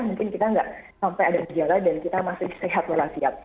mungkin kita nggak sampai ada gejala dan kita masih sehat walafiat